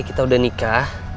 kita udah nikah